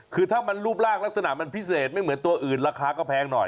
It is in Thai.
คือถ้ามันรูปร่างลักษณะมันพิเศษไม่เหมือนตัวอื่นราคาก็แพงหน่อย